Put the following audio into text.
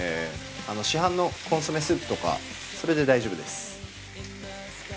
市販のコンソメスープとかそれで大丈夫です。